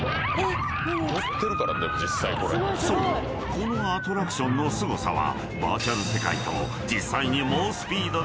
このアトラクションのすごさは］